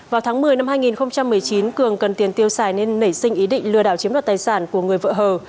vào tháng một mươi năm hai nghìn một mươi chín cường cần tiền tiêu xài nên nảy sinh ý định lừa đảo chiếm đoạt tài sản của người vợ hờ